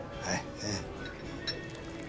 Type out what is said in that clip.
はい。